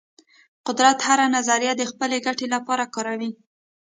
قدرت هره نظریه د خپل ګټې لپاره کاروي.